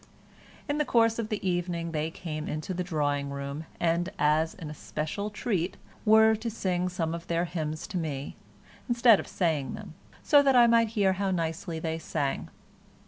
In the course of the evening they came into the drawing room, and, as an especial treat, were to sing some of their hymns to me, instead of saying them, so that I might hear how nicely they sang.